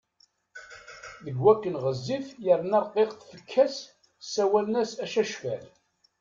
Deg wakken ɣezzif yerna rqiqet tfekka-s ssawalen-as Acacfal.